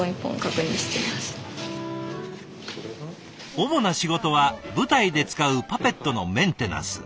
主な仕事は舞台で使うパペットのメンテナンス。